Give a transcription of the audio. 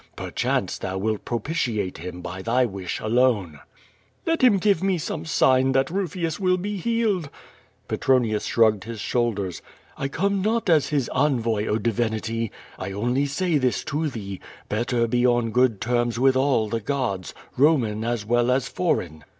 Perchance thou wilt propitiate Him by tliy wisli alone.'' "Let II im give me some sign tliat Kufius will be lioaled."' Peironius sbru<r«:ed his shoulders. "1 come not as His envoy, oh, divinity I I only say this to thee: better i;e on good tenns witli all the god>, Roman as well as foreign."